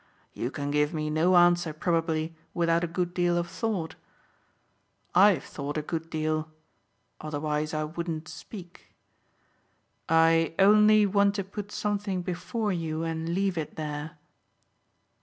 You can give me no answer probably without a good deal of thought. I'VE thought a good deal otherwise I wouldn't speak. I only want to put something before you and leave it there."